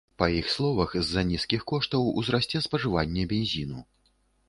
Па іх словах, з-за нізкіх коштаў узрасце спажыванне бензіну.